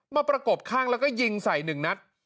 ประกบข้างแล้วก็ยิงใส่๑นัด